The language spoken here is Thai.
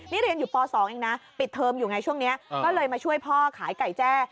นี่เรียนอยู่ป๒เองนะปิดเทอมอยู่ไงช่วงนี้ก็เลยมาช่วยพ่อขายไก่แจ้